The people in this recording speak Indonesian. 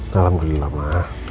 salam gelap ma